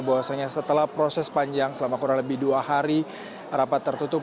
bahwasannya setelah proses panjang selama kurang lebih dua hari rapat tertutup